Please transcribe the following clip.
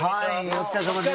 お疲れさまです